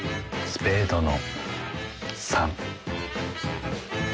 スペードの４。